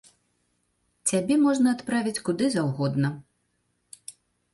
Цябе можа адправіць куды заўгодна.